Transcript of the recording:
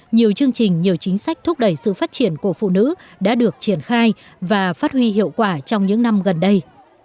nhiều chương trình nhiều chính sách thúc đẩy sự phát triển của phụ nữ đã được triển khai và phát huy hiệu quả trong những năm gần đây